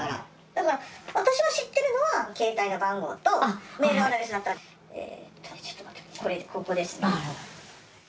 だから私が知ってるのは携帯の番号とメールアドレスえちょっと待ってこれここです。